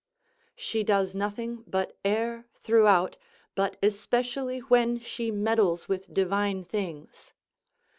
She does nothing but err throughout, but especially when she meddles with divine things.